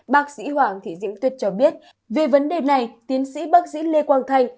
bác sĩ hoàng thị diễm tuyết cho biết về vấn đề này tiến sĩ bác sĩ lê quang thanh